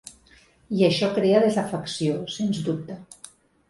I això crea desafecció, sens dubte.